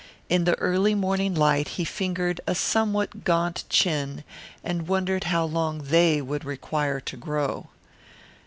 In the early morning light he fingered a somewhat gaunt chin and wondered how long "they" would require to grow.